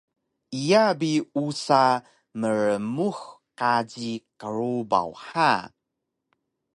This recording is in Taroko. Iya bi usa mrmux kaji krubaw ha